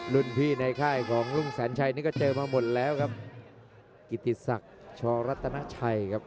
รุ่นพี่ในค่ายของลุงแสนชัยนี่ก็เจอมาหมดแล้วครับกิติศักดิ์ชรัตนาชัยครับ